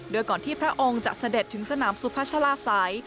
โดยก่อนที่พระองค์จะเสด็จถึงสนามสุพัชลาศัย